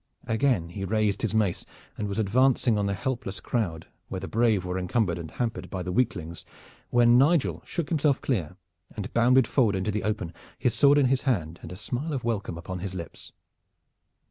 Again he raised his mace and was advancing on the helpless crowd where the brave were encumbered and hampered by the weaklings, when Nigel shook himself clear and bounded forward into the open, his sword in his hand and a smile of welcome upon his lips.